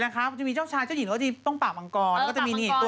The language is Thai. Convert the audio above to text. เอาเลยที่จุดขายเซ็มโซไนท์ทั่วประเทศนะจ๊ะโมดำ